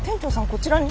こちらに？